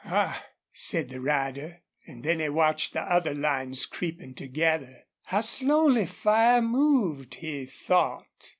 "Ah!" said the rider, and then he watched the other lines creeping together. How slowly fire moved, he thought.